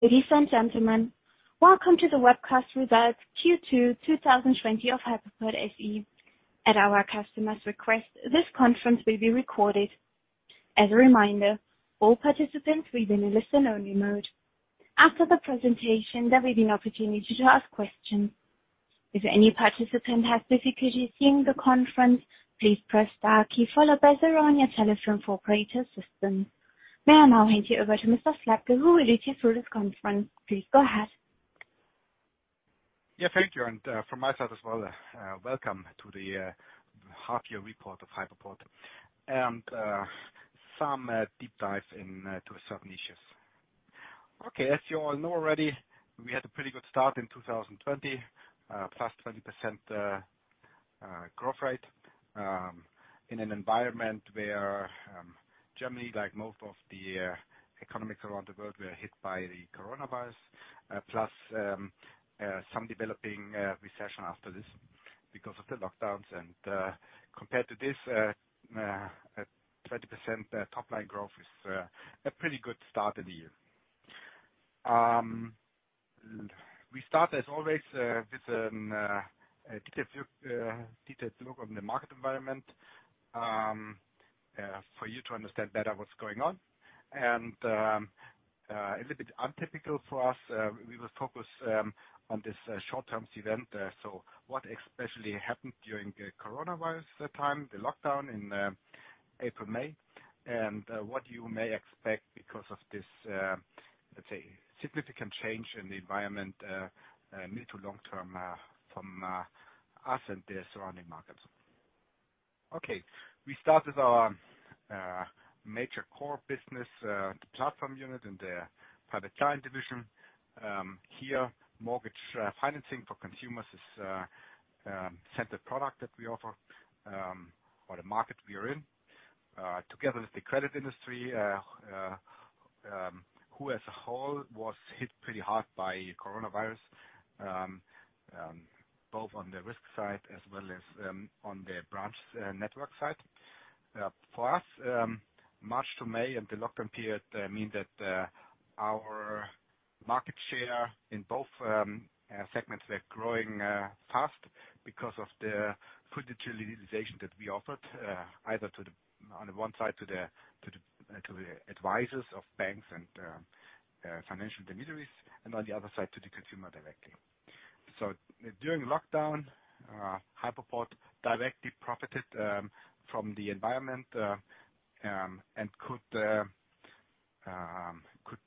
Ladies and gentlemen, welcome to the webcast results Q2 2020 of Hypoport SE. At our customers' request, this conference will be recorded. As a reminder, all participants will be in a listen-only mode. After the presentation, there will be an opportunity to ask questions. If any participant has difficulty seeing the conference, please press star key followed by zero on your telephone for operator assistance. May I now hand you over to Mr. Slabke, who will lead you through this conference. Please go ahead. Yeah, thank you. From my side as well, welcome to the half year report of Hypoport and some deep dive into certain issues. Okay. As you all know already, we had a pretty good start in 2020, plus 20% growth rate, in an environment where Germany, like most of the economies around the world, were hit by the coronavirus, plus some developing recession after this because of the lockdowns. Compared to this, a 20% top-line growth is a pretty good start in the year. We start, as always, with a detailed look on the market environment, for you to understand better what's going on. A little bit untypical for us, we will focus on this short-term event. What especially happened during the coronavirus time, the lockdown in April, May, and what you may expect because of this, let's say, significant change in the environment, mid-to-long-term, from us and the surrounding markets. Okay. We start with our major core business, the platform unit and the private client division. Here, mortgage financing for consumers is a centered product that we offer, or the market we are in. Together with the credit industry, who as a whole was hit pretty hard by coronavirus, both on the risk side as well as on the branch network side. For us, March to May and the lockdown period mean that our market share in both segments were growing fast because of the full digitalization that we offered, either on the one side to the advisors of banks and financial intermediaries, and on the other side, to the consumer directly. During lockdown, Hypoport directly profited from the environment, and could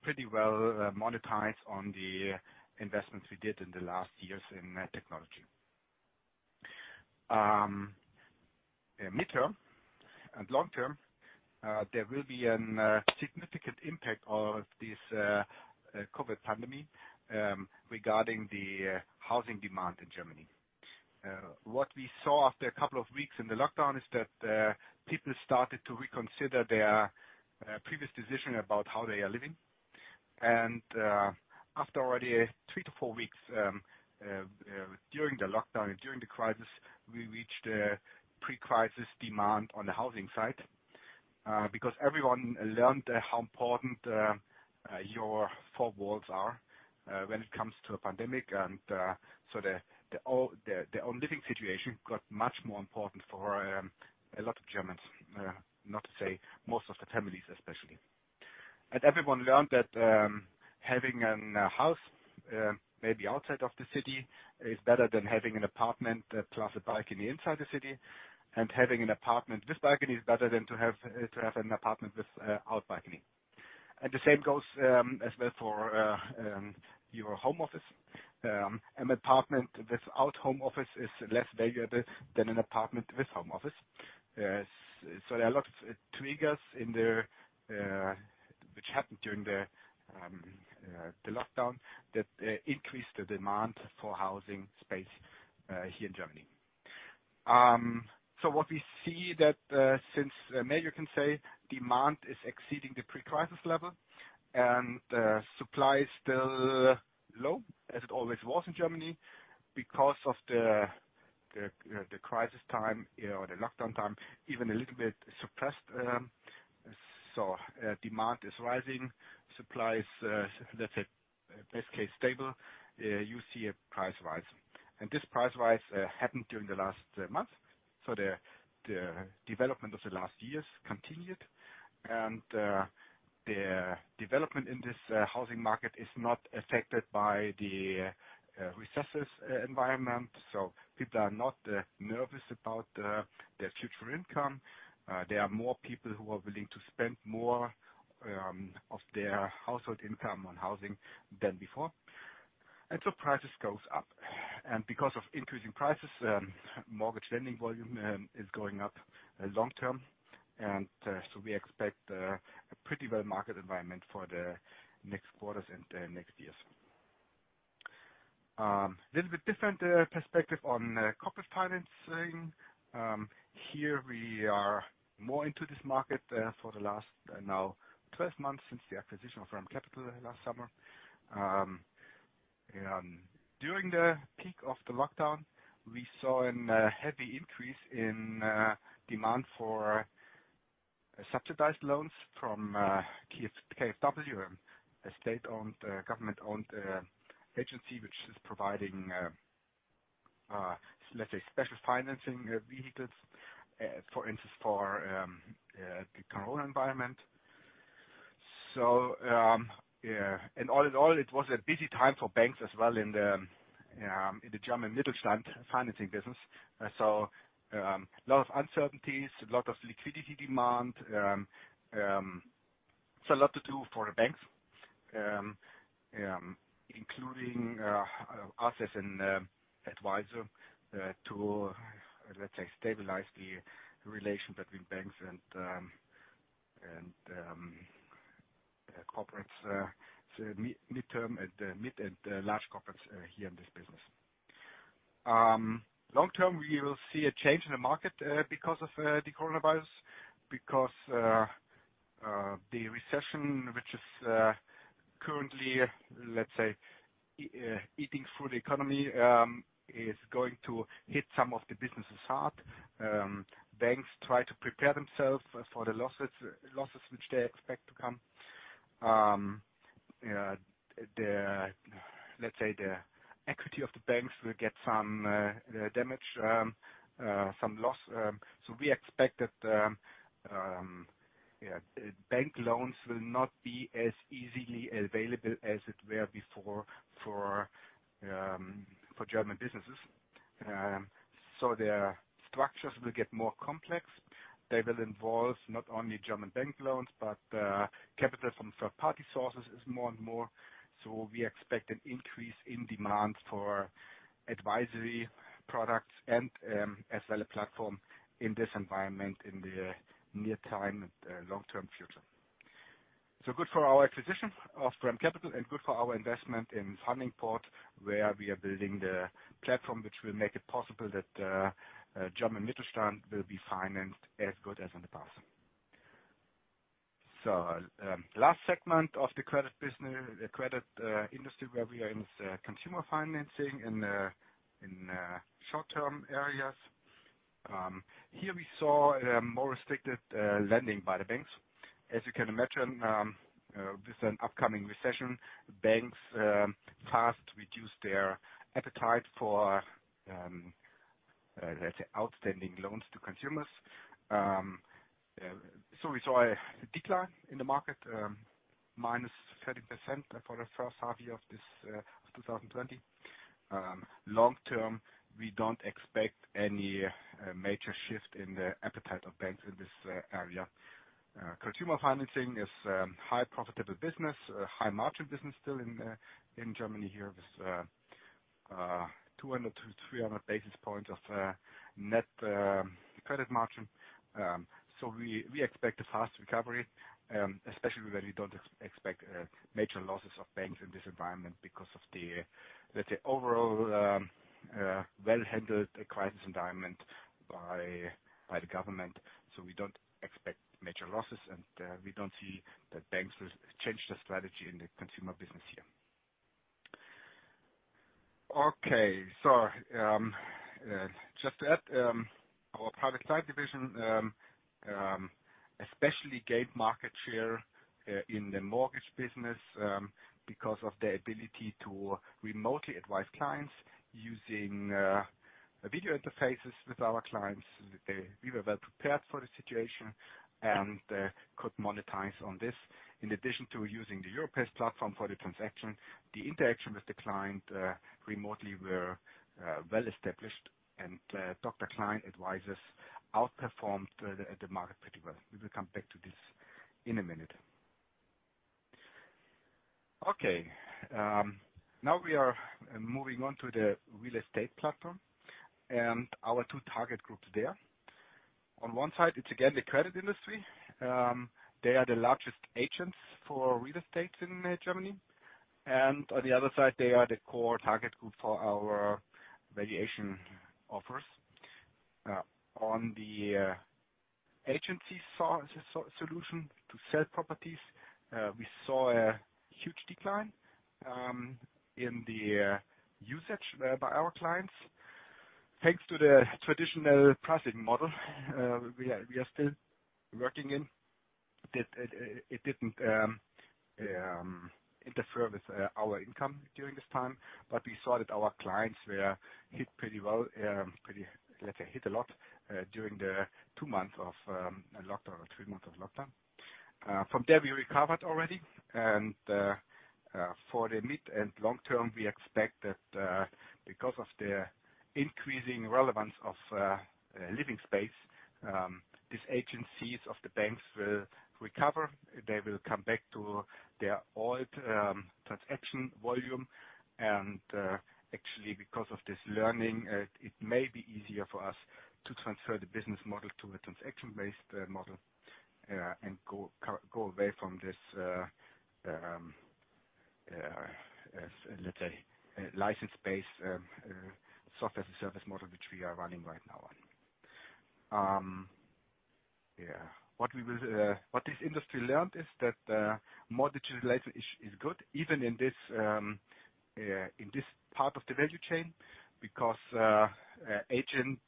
pretty well monetize on the investments we did in the last years in technology. Midterm and long-term, there will be a significant impact of this COVID pandemic regarding the housing demand in Germany. What we saw after a couple of weeks in the lockdown is that people started to reconsider their previous decision about how they are living. After already three to four weeks during the lockdown and during the crisis, we reached a pre-crisis demand on the housing side, because everyone learned how important your four walls are when it comes to a pandemic. Their own living situation got much more important for a lot of Germans, not to say most of the families, especially. Everyone learned that having a house, maybe outside of the city is better than having an apartment plus a balcony inside the city, and having an apartment with balcony is better than to have an apartment without balcony. The same goes as well for your home office. An apartment without home office is less valuable than an apartment with home office. There are a lot of triggers which happened during the lockdown that increased the demand for housing space here in Germany. What we see that since May, you can say demand is exceeding the pre-crisis level, and the supply is still low, as it always was in Germany. Because of the crisis time or the lockdown time, even a little bit suppressed. Demand is rising. Supply is, let's say, best case stable. You see a price rise. This price rise happened during the last month. The development of the last years continued. The development in this housing market is not affected by the recession environment. People are not nervous about their future income. There are more people who are willing to spend more of their household income on housing than before. Prices goes up. Because of increasing prices, mortgage lending volume is going up long-term. We expect a pretty well market environment for the next quarters and the next years. A little bit different perspective on corporate financing. Here we are more into this market for the last now 12 months since the acquisition of REM Capital last summer. During the peak of the lockdown, we saw a heavy increase in demand for subsidized loans from KfW, a state-owned, government-owned agency, which is providing, let's say, special financing vehicles. For instance, for the COVID environment. All in all, it was a busy time for banks as well in the German Mittelstand financing business. A lot of uncertainties, a lot of liquidity demand. It's a lot to do for the banks, including us as an advisor to, let's say, stabilize the relation between banks and corporates, the mid and the large corporates here in this business. Long term, we will see a change in the market because of the COVID, because the recession, which is currently, let's say, eating through the economy, is going to hit some of the businesses hard. Banks try to prepare themselves for the losses which they expect to come. The equity of the banks will get some damage, some loss. We expect that bank loans will not be as easily available as it were before for German businesses. Their structures will get more complex. They will involve not only German bank loans, but capital from third-party sources is more and more. We expect an increase in demand for advisory products and as well a platform in this environment in the near time and long-term future. Good for our acquisition of REM Capital and good for our investment in Fundingport, where we are building the platform, which will make it possible that German Mittelstand will be financed as good as in the past. Last segment of the credit industry, where we are in the consumer financing in short-term areas. Here we saw a more restricted lending by the banks. As you can imagine, with an upcoming recession, banks have to reduce their appetite for, let's say, outstanding loans to consumers. We saw a decline in the market, minus 30% for the first half year of 2020. Long term, we don't expect any major shift in the appetite of banks in this area. Consumer financing is a high profitable business, a high margin business still in Germany here with 200 basis points-300 basis points of net credit margin. We expect a fast recovery, especially when we don't expect major losses of banks in this environment because of the overall well-handled crisis environment by the government. We don't expect major losses, and we don't see that banks will change their strategy in the consumer business here. Okay. Just to add, our private side division especially gained market share in the mortgage business because of the ability to remotely advise clients using video interfaces with our clients. We were well prepared for the situation and could monetize on this. In addition to using the Europace platform for the transaction, the interaction with the client remotely were well-established, and Dr. Klein advisors, outperformed the market pretty well. We will come back to this in a minute. Okay. Now we are moving on to the real estate platform and our two target groups there. On one side, it's again the credit industry. They are the largest agents for real estate in Germany, and on the other side, they are the core target group for our valuation offers. On the agency solution to sell properties, we saw a huge decline in the usage by our clients. Thanks to the traditional pricing model we are still working in, it didn't interfere with our income during this time. We saw that our clients were hit a lot during the two months of lockdown or three months of lockdown. From there, we recovered already, and for the mid and long term, we expect that because of the increasing relevance of living space, these agencies of the banks will recover. They will come back to their old transaction volume. Actually, because of this learning, it may be easier for us to transfer the business model to a transaction-based model and go away from this, let's say, license-based software service model, which we are running right now on. What this industry learned is that more digitalization is good, even in this part of the value chain, because agents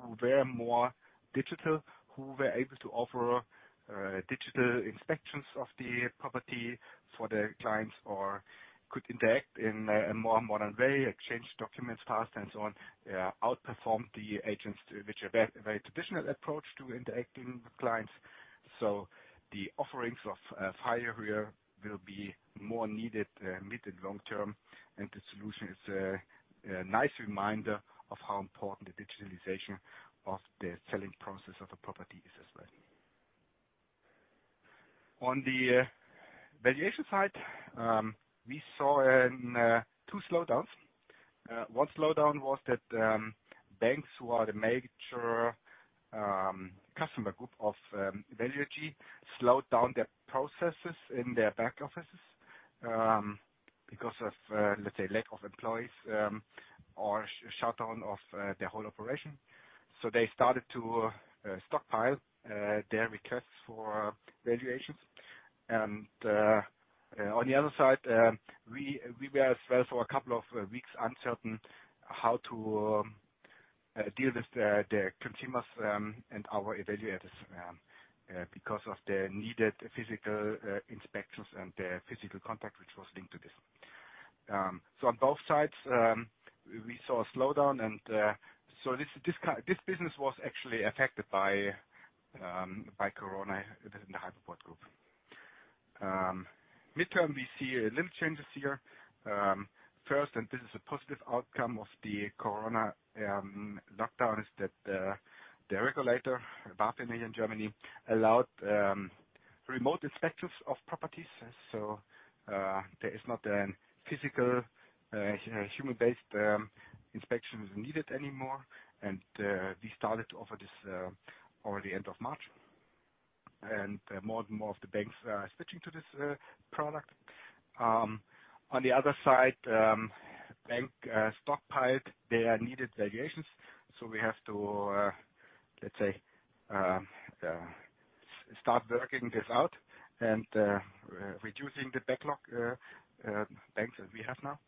who were more digital, who were able to offer digital inspections of the property for their clients or could interact in a more modern way, exchange documents fast and so on, outperformed the agents which have a very traditional approach to interacting with clients. The offerings of FIO will be more needed mid to long term, and the solution is a nice reminder of how important the digitalization of the selling process of a property is as well. On the valuation side, we saw two slowdowns. One slowdown was that banks who are the major customer group of Value AG slowed down their processes in their back offices because of, let's say, lack of employees or shutdown of their whole operation. They started to stockpile their requests for valuations. On the other side, we were as well for a couple of weeks uncertain how to deal with the consumers and our evaluators because of the needed physical inspections and the physical contact which was linked to this. On both sides, we saw a slowdown, and so this business was actually affected by COVID within the Hypoport Group. Midterm, we see little changes here. First, and this is a positive outcome of the COVID lockdown, is that the regulator BaFin here in Germany allowed remote inspections of properties. There is not a physical human-based inspection needed anymore, and we started to offer this already end of March. More and more of the banks are switching to this product. On the other side, bank stockpiled their needed valuations. We have to, let's say, start working this out and reducing the backlog banks that we have now.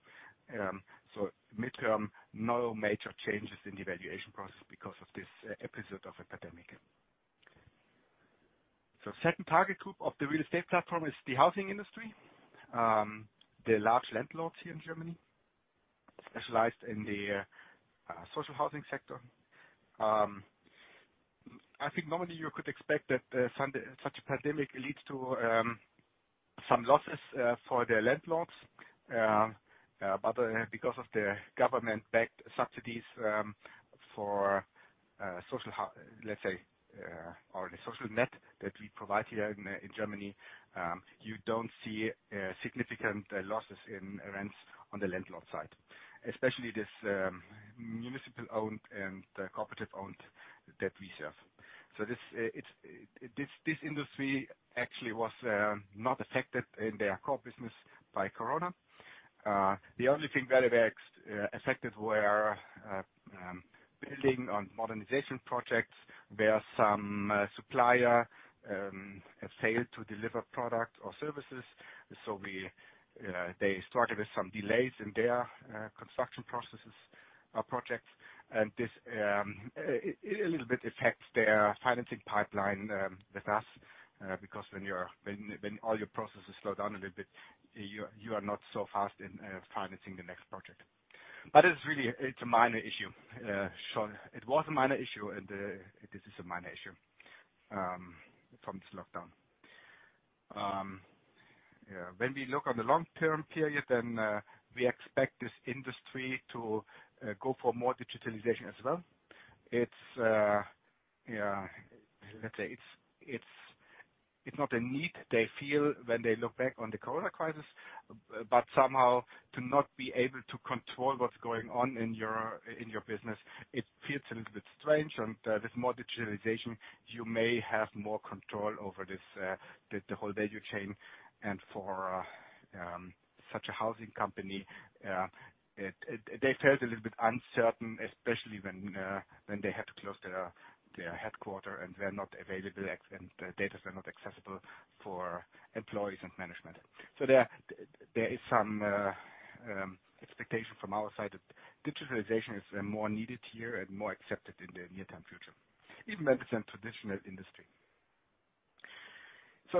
Midterm, no major changes in the valuation process because of this episode of epidemic. Second target group of the real estate platform is the housing industry. The large landlords here in Germany specialized in the social housing sector. I think normally you could expect that such a pandemic leads to some losses for the landlords. Because of the government-backed subsidies for let's say, or the social net that we provide here in Germany, you don't see significant losses in rents on the landlord side, especially this municipal-owned and cooperative-owned debt reserve. This industry actually was not affected in their core business by COVID. The only thing that affected were building on modernization projects where some supplier failed to deliver product or services. They struggled with some delays in their construction processes projects, and this a little bit affects their financing pipeline with us, because when all your processes slow down a little bit, you are not so fast in financing the next project. It's a minor issue. It was a minor issue, and this is a minor issue from this lockdown. When we look on the long-term period, then we expect this industry to go for more digitalization as well. Let's say, it's not a need they feel when they look back on the COVID crisis, but somehow to not be able to control what's going on in your business, it feels a little bit strange. With more digitalization, you may have more control over the whole value chain. For such a housing company, they felt a little bit uncertain, especially when they had to close their headquarters and they're not available and the data were not accessible for employees and management. There is some expectation from our side that digitalization is more needed here and more accepted in the near-term future, even by this traditional industry.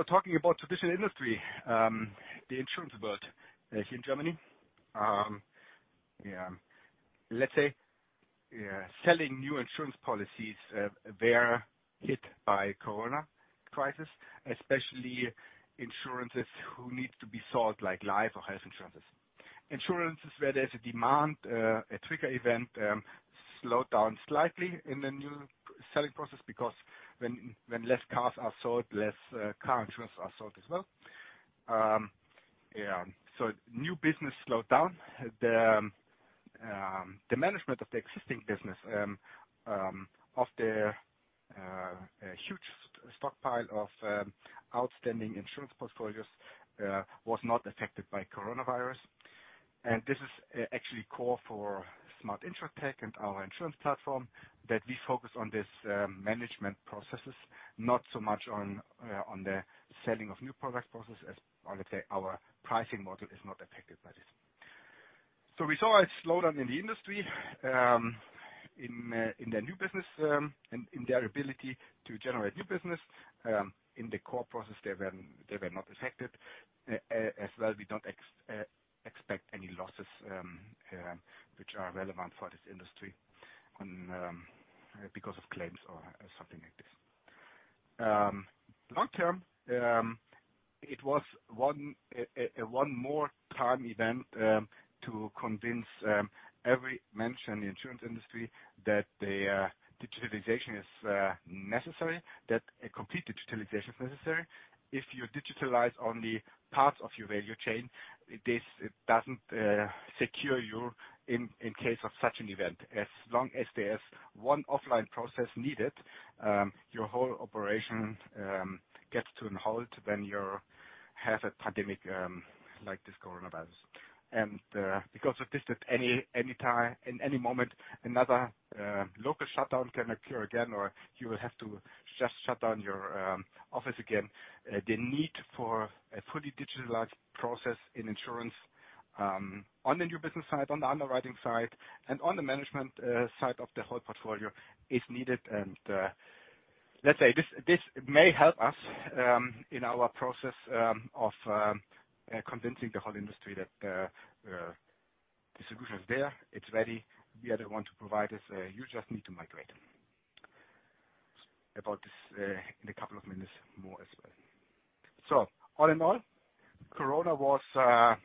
Talking about traditional industry, the insurance world here in Germany. Let's say, selling new insurance policies were hit by COVID crisis, especially insurances who need to be sold, like life or health insurances. Insurances where there's a demand, a trigger event slowed down slightly in the new selling process because when less cars are sold, less car insurance are sold as well. New business slowed down. The management of the existing business of the huge stockpile of outstanding insurance portfolios was not affected by coronavirus. This is actually core for Smart InsurTech and our insurance platform that we focus on this management processes, not so much on the selling of new product process as our pricing model is not affected by this. We saw a slowdown in the industry, in their new business and in their ability to generate new business. In the core process, they were not affected. As well, we don't expect any losses which are relevant for this industry because of claims or something like this. Long term, it was a one more time event to convince every member insurance industry that the digitalization is necessary, that a complete digitalization is necessary. If you digitalize only parts of your value chain, it doesn't secure you in case of such an event. As long as there's one offline process needed, your whole operation gets to a halt when you have a pandemic like this coronavirus. Because of this, at any time, in any moment, another local shutdown can occur again, or you will have to just shut down your office again. The need for a fully digitalized process in insurance on the new business side, on the underwriting side, and on the management side of the whole portfolio is needed. Let's say, this may help us in our process of convincing the whole industry that the solution is there, it's ready. We are the one to provide this. You just need to migrate. About this in a couple of minutes more as well. All in all, Corona was a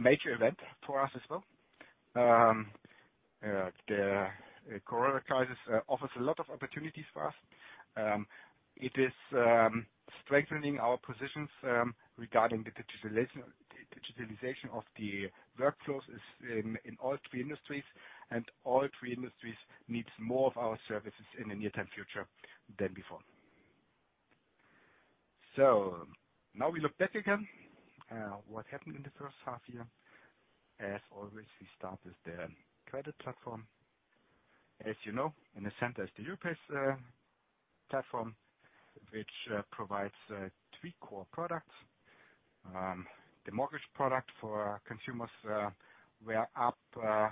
major event for us as well. The Corona crisis offers a lot of opportunities for us. It is strengthening our positions regarding the digitalization of the workflows in all three industries, and all three industries needs more of our services in the near term future than before. Now we look back again. What happened in the first half year? As always, we start with the credit platform. As you know, in the center is the Europace platform, which provides three core products. The mortgage product for consumers were up 36%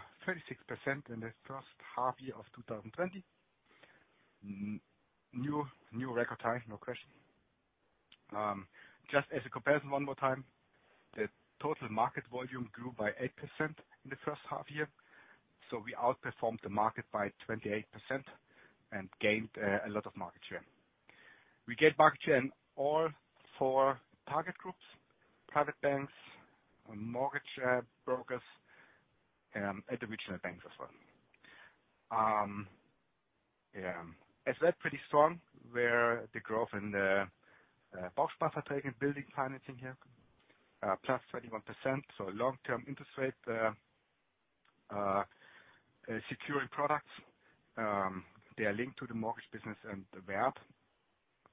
in the first half year of 2020. New record high, no question. Just as a comparison one more time, the total market volume grew by 8% in the first half year. We outperformed the market by 28% and gained a lot of market share. We gained market share in all four target groups, private banks, mortgage brokers, and the regional banks as well. As that pretty strong, where the growth in the Bausparverträge building financing here, plus 31%. Long-term interest rate securing products, they are linked to the mortgage business and the web,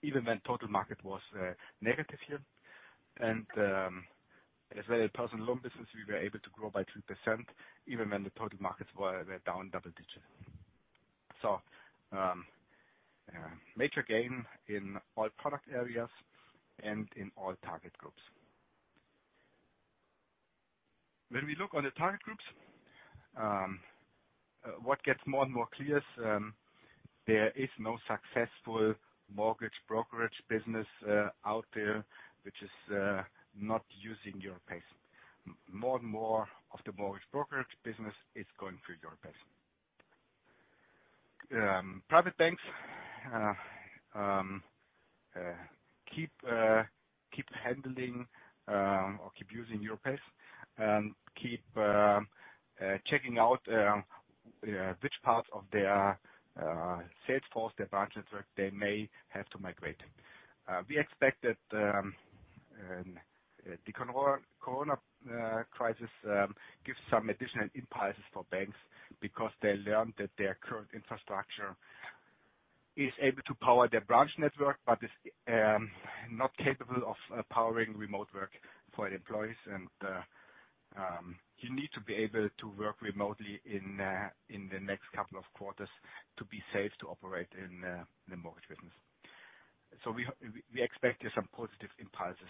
even when total market was negative here. As well personal loan business, we were able to grow by 2% even when the total markets were down double digits. Major gain in all product areas and in all target groups. When we look on the target groups, what gets more and more clear is there is no successful mortgage brokerage business out there which is not using Europace. More and more of the mortgage brokerage business is going through Europace. Private banks keep handling or keep using Europace, keep checking out which part of their sales force, their branch network they may have to migrate. We expect that the Corona crisis gives some additional impulses for banks because they learned that their current infrastructure is able to power their branch network but is not capable of powering remote work for the employees. You need to be able to work remotely in the next couple of quarters to be safe to operate in the mortgage business. We expected some positive impulses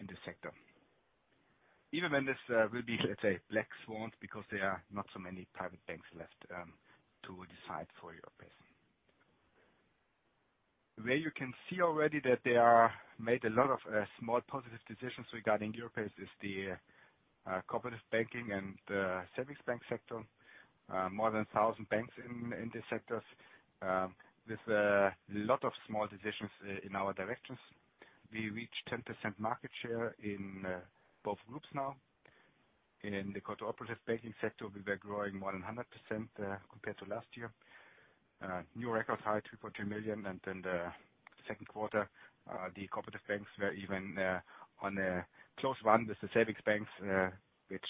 in this sector. Even when this will be, let's say, black swans, because there are not so many private banks left to decide for Europace. Where you can see already that they are made a lot of small positive decisions regarding Europace is the cooperative banking and savings bank sector. More than 1,000 banks in this sector with a lot of small decisions in our directions. We reach 10% market share in both groups now. In the cooperative banking sector, we were growing more than 100% compared to last year. New record high, 2.2 million. In the second quarter, the cooperative banks were even on a close one with the savings banks, which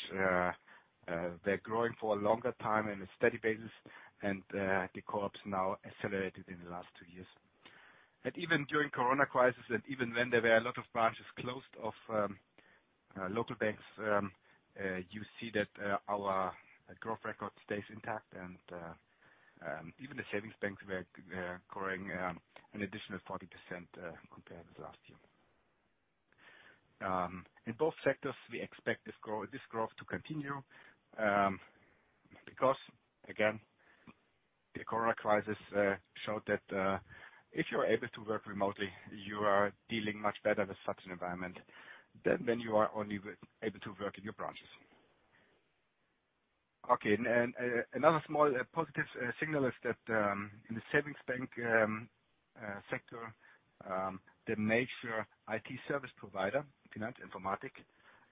they're growing for a longer time in a steady basis, and the co-ops now accelerated in the last two years. Even during Corona crisis, and even when there were a lot of branches closed of local banks, you see that our growth record stays intact and even the savings banks were growing an additional 40% compared to last year. In both sectors, we expect this growth to continue because, again, the Corona crisis showed that if you're able to work remotely, you are dealing much better with such an environment than when you are only able to work in your branches. Okay. Another small positive signal is that in the savings bank sector, the major IT service provider, Finanz Informatik,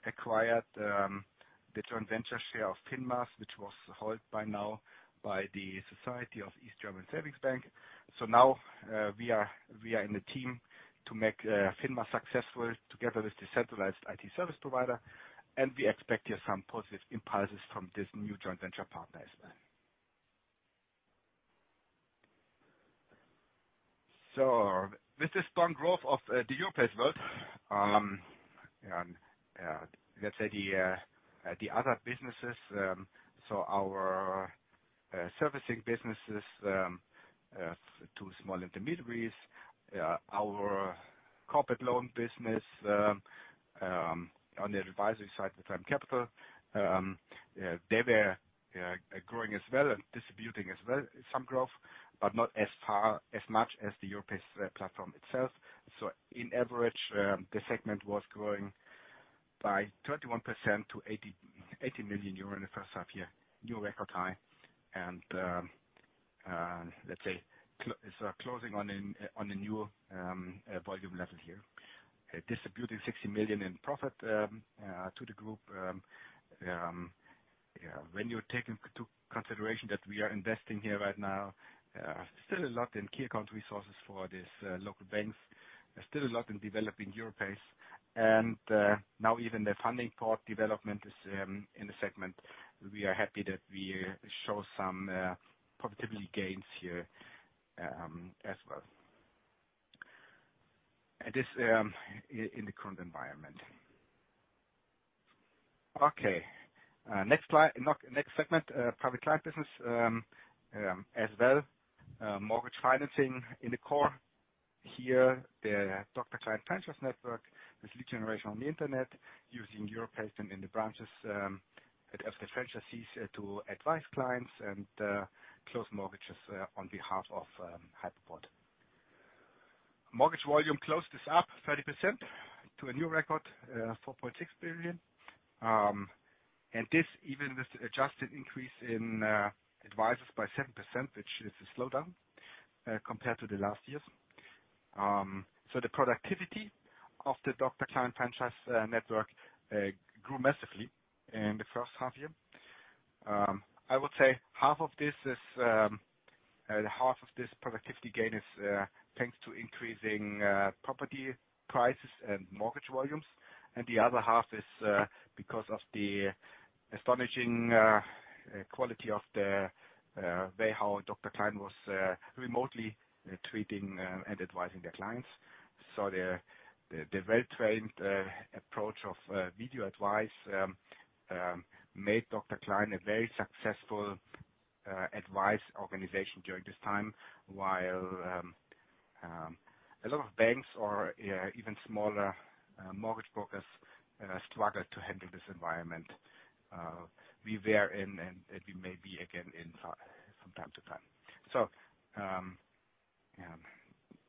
acquired the joint venture share of Finmas, which was held by now by the Society of East German Savings Banks. Now we are in a team to make Finmas successful together with the centralized IT service provider, and we expect here some positive impulses from this new joint venture partner as well. With the strong growth of the Europace world, let's say the other businesses, so our servicing businesses to small intermediaries, our corporate loan business on the advisory side with REM Capital, they were growing as well and distributing as well some growth, but not as much as the Europace platform itself. On average, the segment was growing by 31% to 80 million euro in the first half-year, new record high, and let's say, it's closing on a new volume level here. Distributing 16 million in profit to the group. When you take into consideration that we are investing here right now, still a lot in key account resources for these local banks, still a lot in developing Europace, and now even the Fundingport development is in the segment. We are happy that we show some profitability gains here as well. This in the current environment. Okay. Next segment, private client business as well. Mortgage financing in the core here, the Dr. Klein franchise network with lead generation on the internet using Europace and in the branches as the franchisees to advise clients and close mortgages on behalf of Hypoport. Mortgage volume closed up 30% to a new record, 4.6 billion. This even with adjusted increase in advisors by 7%, which is a slowdown compared to the last years. The productivity of the Dr. Klein franchise network grew massively in the first half year. I would say half of this productivity gain is thanks to increasing property prices and mortgage volumes, and the other half is because of the astonishing quality of the way how Dr. Klein was remotely treating and advising their clients. The well-trained approach of video advice made Dr. Klein a very successful advice organization during this time, while a lot of banks or even smaller mortgage brokers struggled to handle this environment. We were in and we may be again from time to time.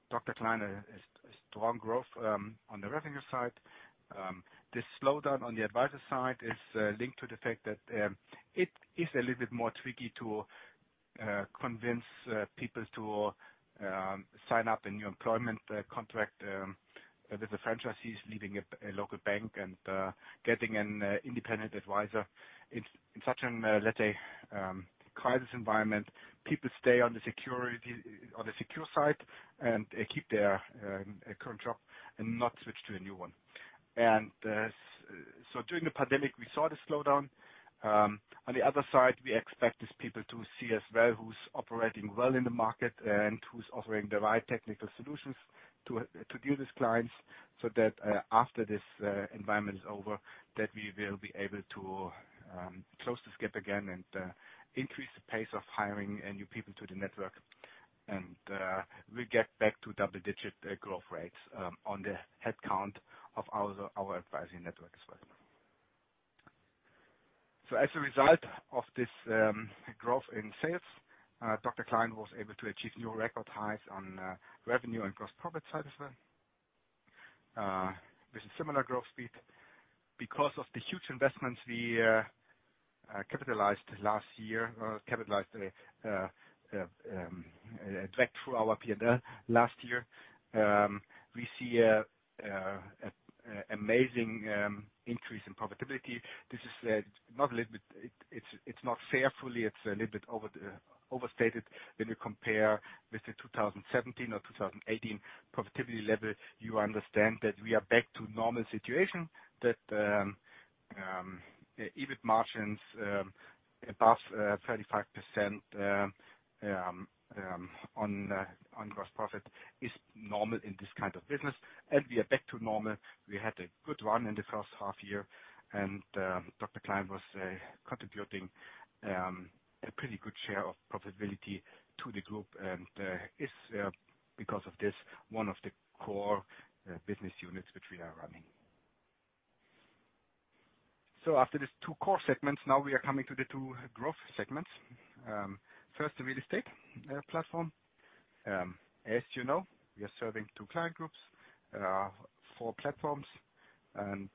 Dr. Klein has strong growth on the revenue side. This slowdown on the advisor side is linked to the fact that it is a little bit more tricky to convince people to sign up a new employment contract with the franchisees leaving a local bank and getting an independent advisor in such an, let's say, crisis environment. People stay on the secure side and keep their current job and not switch to a new one. During the pandemic, we saw the slowdown. On the other side, we expect these people to see as well who's operating well in the market and who's offering the right technical solutions to deal with these clients, so that after this environment is over, that we will be able to close this gap again and increase the pace of hiring new people to the network. We get back to double-digit growth rates on the headcount of our advising network as well. As a result of this growth in sales, Dr. Klein was able to achieve new record highs on revenue and gross profit side as well. This is a similar growth speed. Because of the huge investments we capitalized last year, or capitalized direct through our P&L last year, we see amazing increase in profitability. It's not fair fully. It's a little bit overstated when you compare with the 2017 or 2018 profitability level. You understand that we are back to normal situation that EBIT margins above 35% on gross profit is normal in this kind of business, and we are back to normal. We had a good run in the first half year and Dr. Klein was contributing a pretty good share of profitability to the Group and is, because of this, one of the core business units which we are running. After these two core segments, now we are coming to the two growth segments. First, the real estate platform. As you know, we are serving two client groups, four platforms, and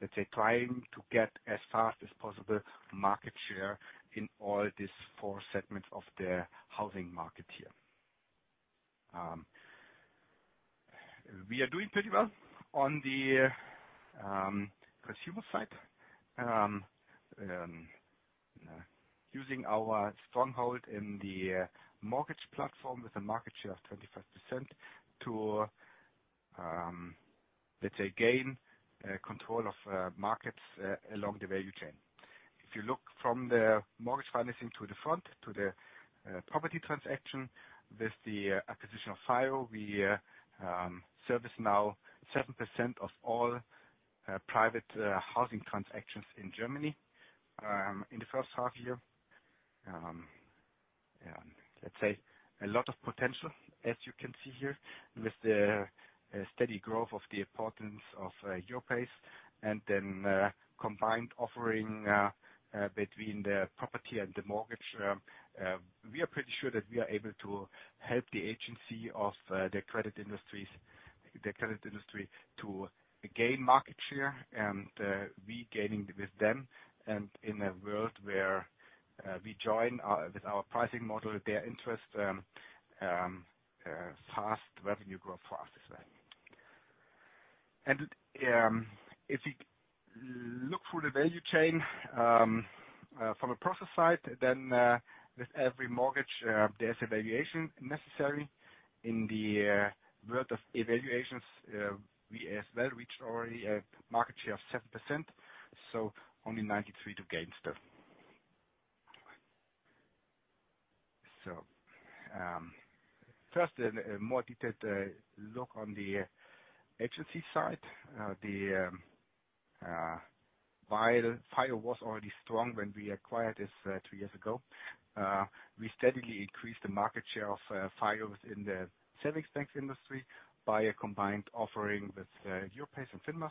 let's say trying to get as fast as possible market share in all these four segments of the housing market here. We are doing pretty well on the consumer side. Using our stronghold in the mortgage platform with a market share of 25% to, let's say, gain control of markets along the value chain. If you look from the mortgage financing to the front to the property transaction, with the acquisition of FIO, we service now 7% of all private housing transactions in Germany in the first half year. Let's say a lot of potential as you can see here with the steady growth of the importance of Europace and a combined offering between the property and the mortgage. We are pretty sure that we are able to help the agency of the credit industry to gain market share and we gaining with them and in a world where we join with our pricing model, their interest, fast revenue growth for us as well. If you look through the value chain from a process side, with every mortgage, there's a valuation necessary. In the world of valuations, we as well reached already a market share of 7%, so only 93 to gain still. First a more detailed look on the agency side. FIO was already strong when we acquired this three years ago. We steadily increased the market share of FIO within the savings banks industry by a combined offering with Europace and Finmas.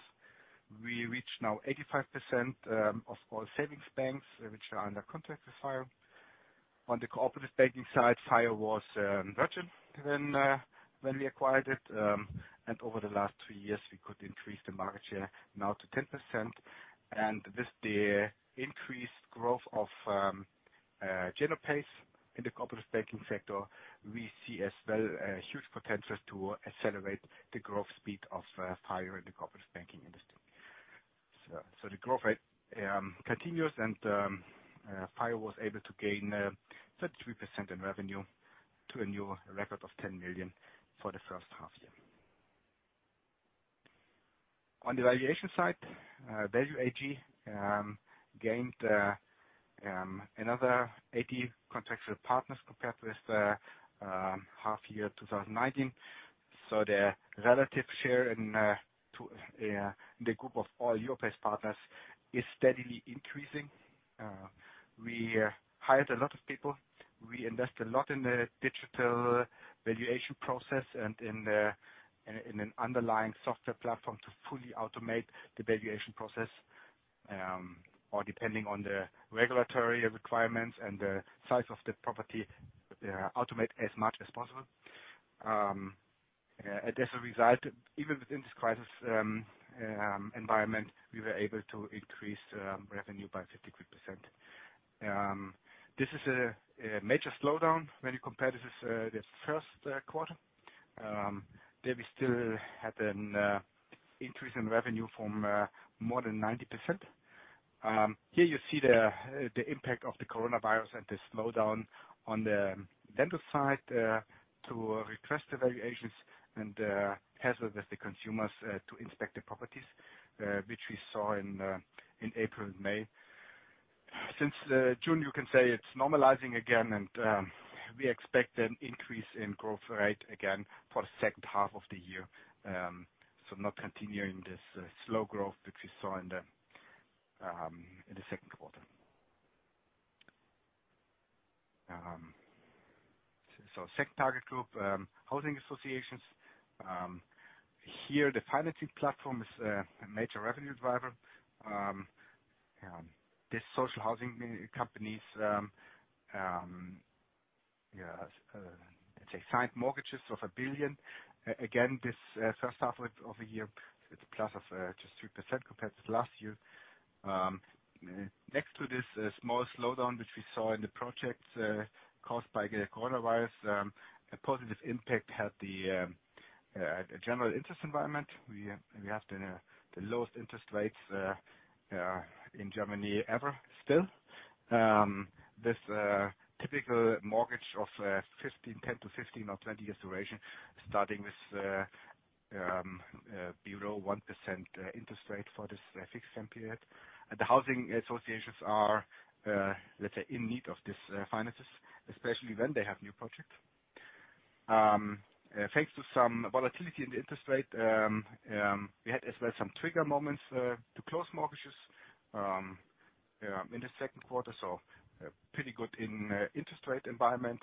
We reach now 85% of all savings banks which are under contract with FIO. On the cooperative banking side, FIO was virgin when we acquired it. Over the last three years, we could increase the market share now to 10%. With the increased growth of Genopace in the cooperative banking sector, we see as well a huge potential to accelerate the growth speed of FIO in the cooperative banking industry. The growth rate continues and FIO was able to gain 33% in revenue to a new record of 10 million for the first half year. On the valuation side, Value AG gained another 80 contractual partners compared with the half year 2019. The relative share in the group of all Europace partners is steadily increasing. We hired a lot of people. We invest a lot in the digital valuation process and in an underlying software platform to fully automate the valuation process, or depending on the regulatory requirements and the size of the property, automate as much as possible. As a result, even within this crisis environment, we were able to increase revenue by 53%. This is a major slowdown when you compare this the first quarter. There we still had an increase in revenue from more than 90%. Here you see the impact of the coronavirus and the slowdown on the vendor side to request the valuations and hassle with the consumers to inspect the properties, which we saw in April and May. Since June, you can say it's normalizing again and we expect an increase in growth rate again for the second half of the year, not continuing this slow growth which we saw in the second quarter. Second target group, housing associations. Here the financing platform is a major revenue driver. These social housing companies signed mortgages of 1 billion. This first half of the year, it's a plus of just 3% compared to last year. Next to this small slowdown, which we saw in the projects caused by the coronavirus, a positive impact had the general interest environment. We have the lowest interest rates in Germany ever still. With a typical mortgage of 10 to 15 or 20 years duration, starting with below 1% interest rate for this fixed term period. The housing associations are, let's say, in need of these finances, especially when they have new projects. Thanks to some volatility in the interest rate, we had as well some trigger moments to close mortgages in the second quarter, so pretty good in interest rate environment.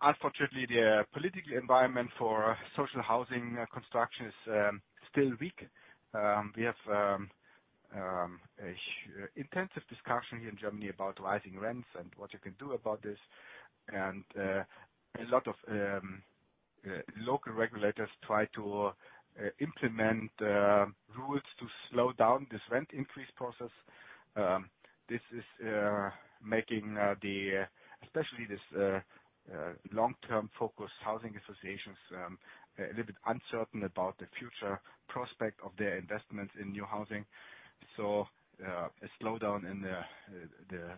Unfortunately, the political environment for social housing construction is still weak. We have intensive discussion here in Germany about rising rents and what you can do about this. A lot of local regulators try to implement rules to slow down this rent increase process. This is making especially these long-term focused housing associations a little bit uncertain about the future prospect of their investments in new housing. A slowdown in the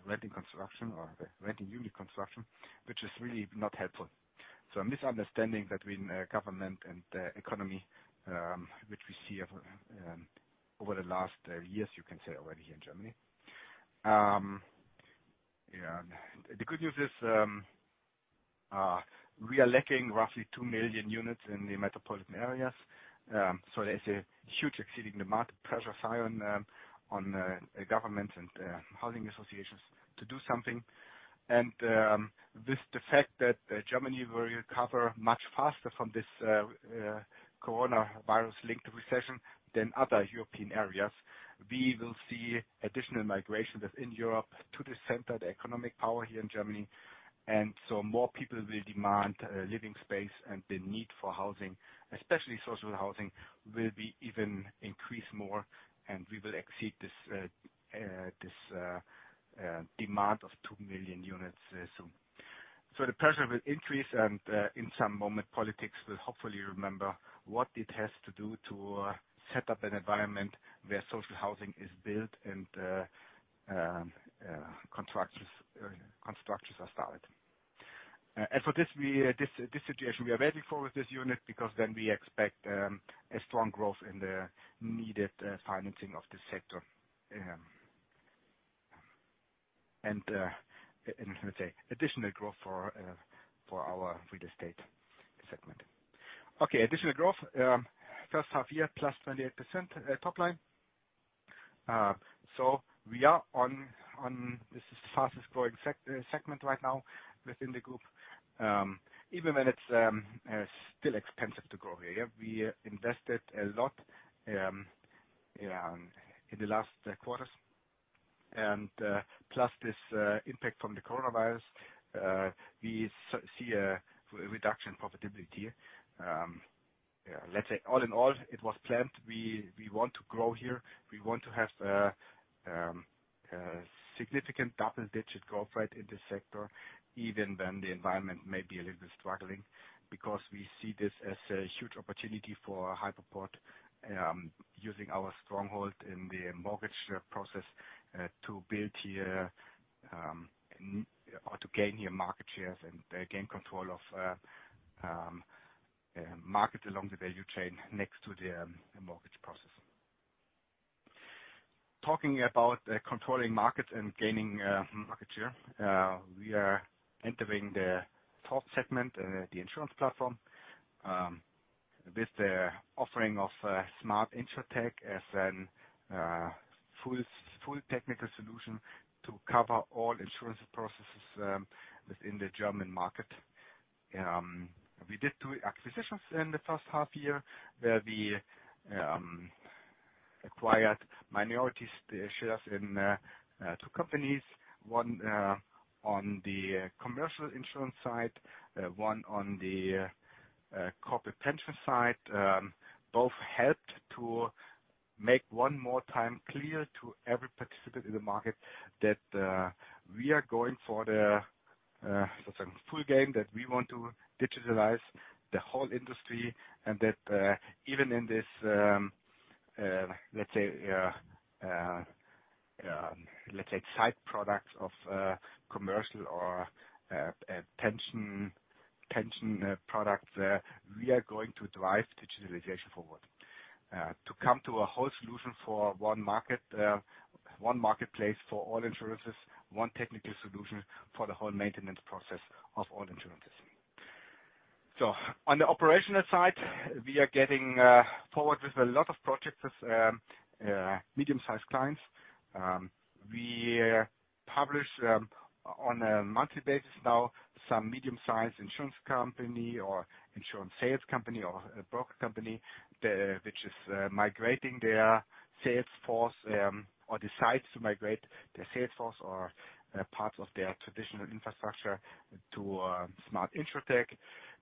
renting unit construction, which is really not helpful. A misunderstanding between government and the economy, which we see over the last years, you can say, already here in Germany. The good news is, we are lacking roughly 2 million units in the metropolitan areas. There's a huge, exceeding demand. Pressure is high on the government and housing associations to do something. With the fact that Germany will recover much faster from this coronavirus-linked recession than other European areas, we will see additional migration within Europe to the center of the economic power here in Germany. More people will demand living space and the need for housing, especially social housing, will be even increased more, and we will exceed this demand of 2 million units soon. The pressure will increase and in some moment, politics will hopefully remember what it has to do to set up an environment where social housing is built and constructions are started. For this situation, we are ready for with this unit, because then we expect a strong growth in the needed financing of this sector. Let's say, additional growth for our real estate segment. Okay. Additional growth, first half year, plus 28% top line. We are on this fastest-growing segment right now within the group, even when it's still expensive to grow here. We invested a lot in the last quarters. Plus this impact from the coronavirus, we see a reduction in profitability. Let's say, all in all, it was planned. We want to grow here. We want to have a significant double-digit growth rate in this sector, even when the environment may be a little bit struggling, because we see this as a huge opportunity for Hypoport, using our stronghold in the mortgage process to gain new market shares and gain control of markets along the value chain next to the mortgage process. Talking about controlling markets and gaining market share, we are entering the top segment, the insurance platform, with the offering of Smart InsurTech as a full technical solution to cover all insurance processes within the German market. We did two acquisitions in the first half year, where we acquired minority shares in two companies, one on the commercial insurance side, one on the corporate pension side. Both helped to make one more time clear to every participant in the market that we are going for the, for some full game, that we want to digitalize the whole industry and that even in this, let's say, side products of commercial or pension products, we are going to drive digitalization forward. To come to a whole solution for one marketplace for all insurances, one technical solution for the whole maintenance process of all insurances. On the operational side, we are getting forward with a lot of projects with medium-sized clients. We publish on a monthly basis now some medium-sized insurance company or insurance sales company or broker company which is migrating their sales force or decides to migrate their sales force or parts of their traditional infrastructure to Smart InsurTech.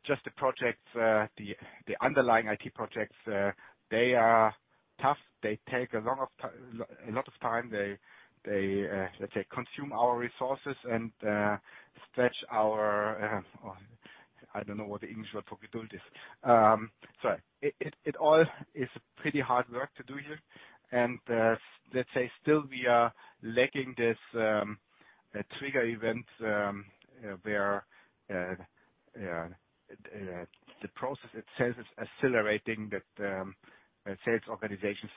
Just the projects, the underlying IT projects, they are tough. They take a lot of time. They consume our resources and I don't know what the English word for is. Sorry. It all is pretty hard work to do here. Let's say, still we are lacking this trigger event, where the process itself is accelerating, that sales organizations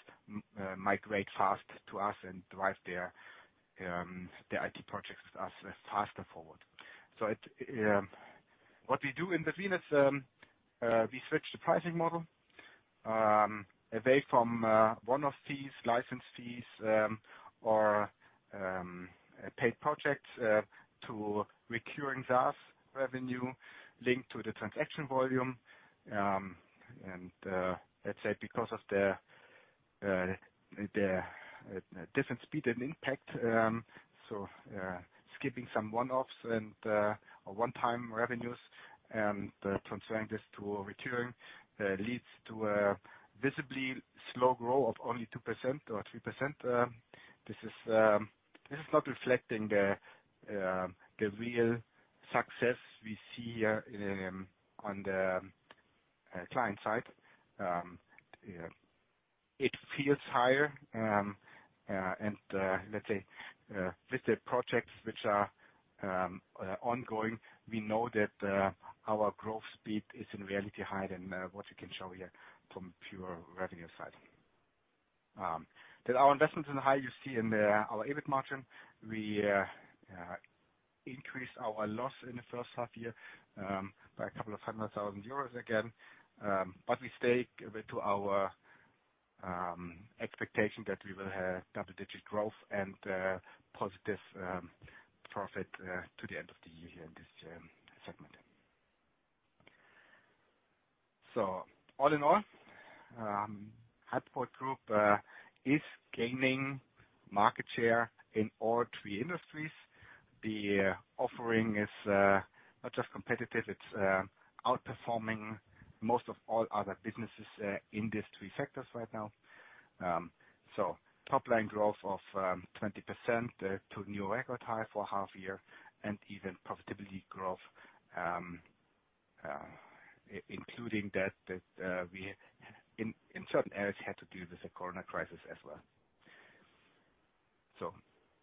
migrate fast to us and drive their IT projects with us faster forward. What we do in between is, we switch the pricing model away from one of these license fees or paid projects to recurring SaaS revenue linked to the transaction volume. Let's say, because of the different speed and impact, skipping some one-offs and one-time revenues and transferring this to recurring leads to a visibly slow growth, only 2% or 3%. This is not reflecting the real success we see here on the client side. It feels higher. Let's say, with the projects which are ongoing, we know that our growth speed is in reality higher than what we can show here from pure revenue side. You see in our EBIT margin. We increased our loss in the first half year by a couple of 100,000 euros again. We stay to our expectation that we will have double-digit growth and positive profit to the end of the year here in this segment. All in all, Hypoport Group is gaining market share in all three industries. The offering is not just competitive, it's outperforming most of all other businesses in these three sectors right now. Top line growth of 20% to a new record high for a half year and even profitability growth, including that we, in certain areas, had to deal with the COVID crisis as well.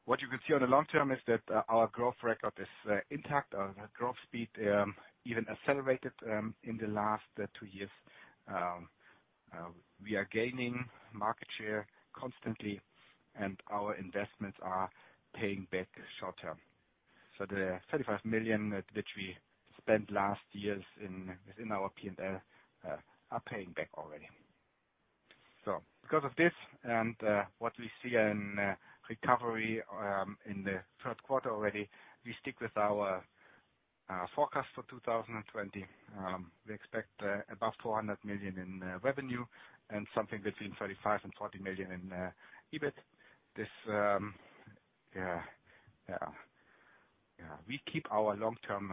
What you can see on the long-term is that our growth record is intact. Our growth speed even accelerated in the last two years. We are gaining market share constantly and our investments are paying back short-term. The 35 million which we spent last years within our P&L are paying back already. Because of this and what we see in recovery in the third quarter already, we stick with our forecast for 2020. We expect above 400 million in revenue and something between 35 million and 40 million in EBIT. We keep our long-term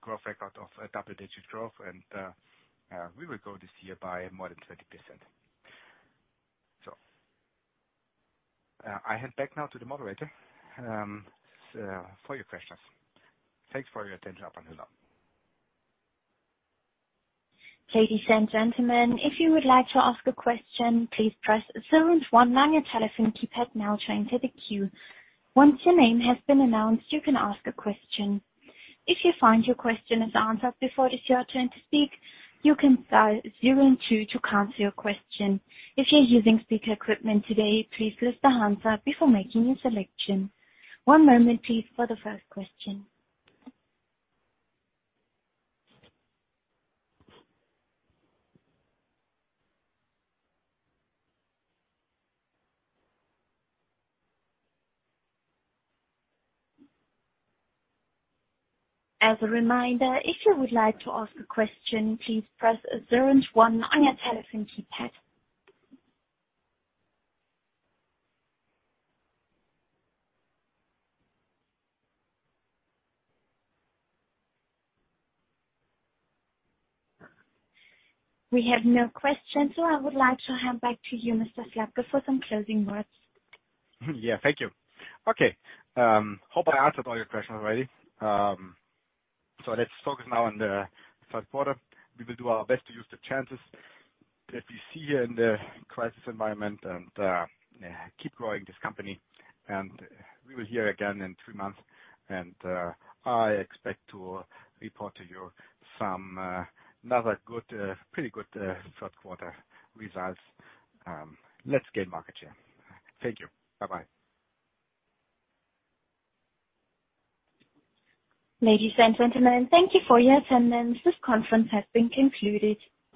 growth record of double-digit growth, and we will grow this year by more than 20%. I hand back now to the moderator for your questions. Thanks for your attention up until now. Ladies and gentlemen, if you would like to ask a question, please press zero and one on your telephone keypad now to enter the queue. Once your name has been announced, you can ask a question. If you find your question is answered before it is your turn to speak, you can dial zero and two to cancel your question. If you're using speaker equipment today, please lift the handset before making your selection. One moment, please, for the first question. As a reminder, if you would like to ask a question, please press zero and one on your telephone keypad. We have no questions, so I would like to hand back to you, Mr. Slabke, for some closing words. Yeah. Thank you. Okay. Hope I answered all your questions already. Let's focus now on the third quarter. We will do our best to use the chances that we see here in the crisis environment and keep growing this company. We will hear again in three months. I expect to report to you some another pretty good third quarter results. Let's gain market share. Thank you. Bye-bye. Ladies and gentlemen, thank you for your attendance. This conference has been concluded.